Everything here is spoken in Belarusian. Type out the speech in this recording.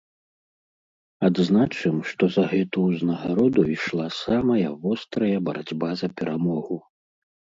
Адзначым, што за гэту ўзнагароду ішла самая вострая барацьба за перамогу.